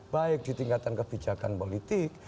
baik di tingkatan kebijakan politik